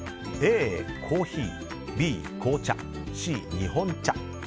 Ａ、コーヒーＢ、紅茶Ｃ、日本茶。